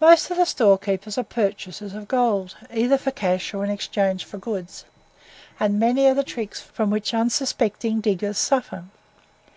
Most of the store keepers are purchasers of gold either for cash or in exchange for goods, and many are the tricks from which unsuspecting diggers suffer.